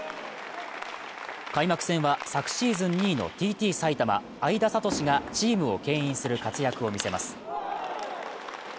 開幕戦は昨シーズン２位のＴ．Ｔ彩たま、英田理志がチームをけん引する活躍を見せます。